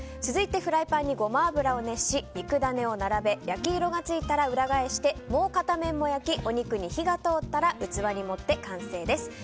続いてフライパンにゴマ油を熱し肉ダネを並べ焼き色がついたら裏返して、もう片面も焼きお肉に火が通ったら器に盛って完成です。